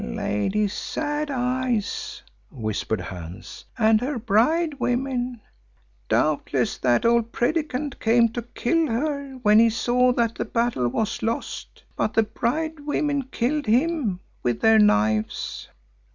"Lady Sad Eyes," whispered Hans, "and her bride women. Doubtless that old Predikant came to kill her when he saw that the battle was lost, but the bride women killed him with their knives."